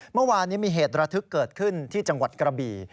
เมื่อวานนี้มีเหตุระทึกเกิดขึ้นที่จังหวัดกระบี่